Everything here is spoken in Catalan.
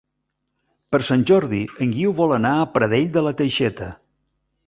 Per Sant Jordi en Guiu vol anar a Pradell de la Teixeta.